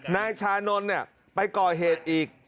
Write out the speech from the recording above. นายชานนท์ไปก่อเหตุอีก